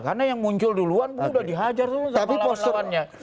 karena yang muncul duluan tuh udah dihajar sama lawan lawannya